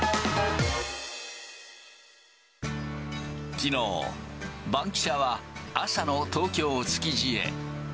きのう、バンキシャは朝の東京・築地へ。